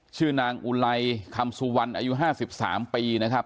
ชื่อนางอุลัยคำซุวรรณอายุห้าสิบสามปีนะครับ